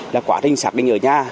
là quá trình xác minh ở nhà